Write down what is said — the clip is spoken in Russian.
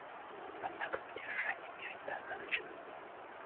Однако поддержания мира недостаточно.